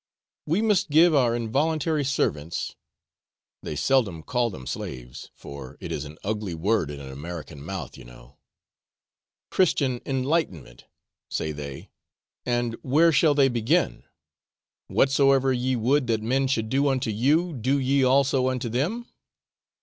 'We must give our involuntary servants,' (they seldom call them slaves, for it is an ugly word in an American mouth, you know,) 'Christian enlightenment,' say they; and where shall they begin? 'Whatsoever ye would that men should do unto you, do ye also unto them?'